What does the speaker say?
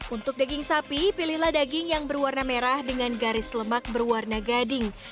untuk daging sapi pilihlah daging yang berwarna merah dengan garis lemak berwarna gading